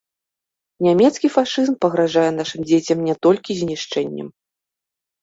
Нямецкі фашызм пагражае нашым дзецям не толькі знішчэннем.